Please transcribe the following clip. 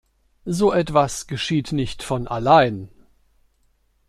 So etwas geschieht nicht von allein.